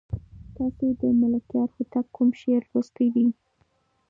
تاسو د ملکیار هوتک کوم شعر لوستی دی؟